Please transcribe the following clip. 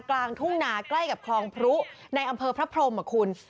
กลางทุ่งนาใกล้กับคลองพรุในอำเภอพระพรมอ่ะคุณ